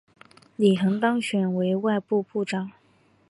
李璜当选为外务部长。